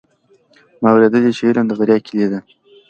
ما اورېدلي چې علم د بریا کیلي ده.